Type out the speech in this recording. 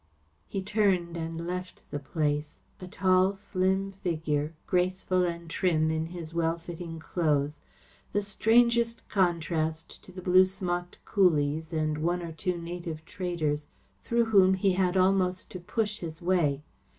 He turned and left the place; a tall, slim figure, graceful and trim in his well fitting clothes, the strangest contrast to the blue smocked coolies and one or two native traders through whom he had almost to push his way.